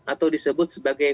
atau disebut sebagai